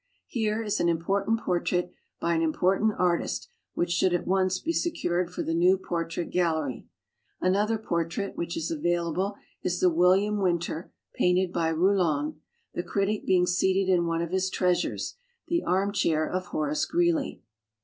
Here is an important portrait by an important artist which should at once be secured for the new Portrait Gallery. Another portrait which is available is the William Win ter painted by Rouland, the critic being seated in one of his treasures, the armchair of Horace Greeley.